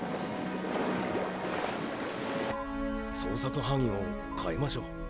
捜索範囲を変えましょう。